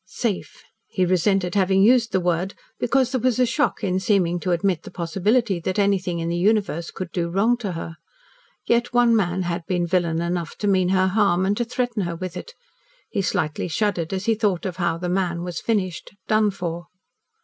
Safe! He resented having used the word, because there was a shock in seeming to admit the possibility that anything in the universe could do wrong to her. Yet one man had been villain enough to mean her harm, and to threaten her with it. He slightly shuddered as he thought of how the man was finished done for.